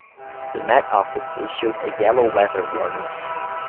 The met office issued a yellow weather warning.